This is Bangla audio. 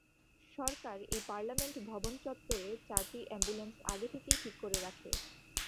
সরকার তাই পার্লামেন্ট ভবন চত্বরে চারটি অ্যাম্বুলেন্স আগে থেকেই ঠিক করে রাখে।